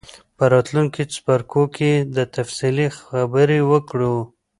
په راتلونکو څپرکو کې به تفصیلي خبرې وکړو.